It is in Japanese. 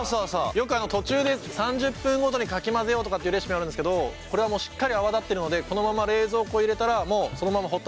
よく途中で３０分ごとにかき混ぜようとかっていうレシピあるんですけどこれはもうしっかり泡立ってるのでこのまま冷蔵庫入れたらそのままほったらかして大丈夫です。